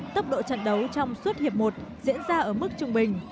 tốc độ trận đấu trong suốt hiệp một diễn ra ở mức trung bình